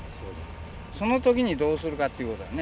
その時にどうするかっていうことだね。